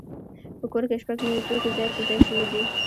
په کور کې شپږ نوي توکي ځای پر ځای شوي دي.